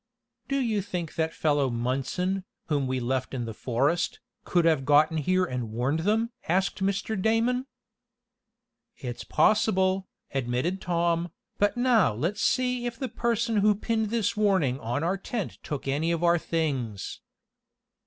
"Do you think that fellow Munson, whom we left in the forest, could have gotten here and warned them?" asked Mr. Damon. "It's possible," admitted Tom, "but now let's see if the person who pinned this warning on our tent took any of our things."